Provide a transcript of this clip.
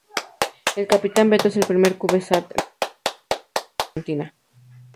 El "Capitán Beto" es el primer CubeSat desarrollado y producido en la Argentina.